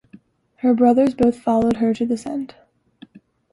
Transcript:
Her brothers both followed her to this end.